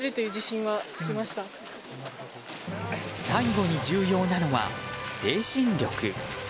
最後に重要なのは精神力。